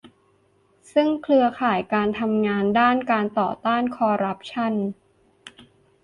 ซึ่งเครือข่ายการทำงานด้านการต่อต้านคอร์รัปชั่น